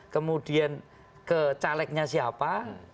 kemudian ke calegnya siapa